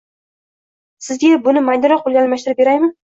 Sizga buni maydaroq pulga almashtirib beraymi?